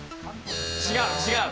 違う違う。